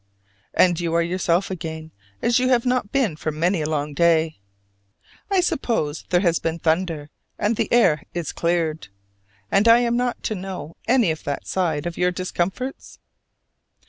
And you are yourself again, as you have not been for many a long day. I suppose there has been thunder, and the air is cleared: and I am not to know any of that side of your discomforts?